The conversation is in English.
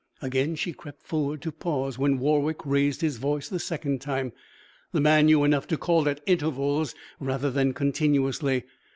Again she crept forward, to pause when Warwick raised his voice the second time. The man knew enough to call at intervals rather than continuously.